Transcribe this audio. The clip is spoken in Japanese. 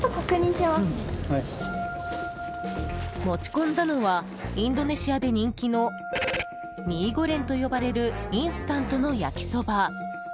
持ち込んだのはインドネシアで人気のミーゴレンと呼ばれるインスタントの焼きそば。